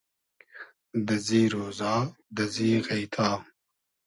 دئزی رۉزا دئزی غݷتا